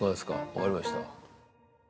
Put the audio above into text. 分かりました。